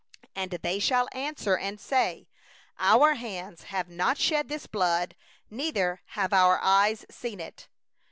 7And they shall speak and say: 'Our hands have not shed this blood, neither have our eyes seen it.